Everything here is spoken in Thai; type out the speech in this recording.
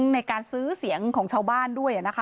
ในการซื้อเสียงของชาวบ้านด้วยนะคะ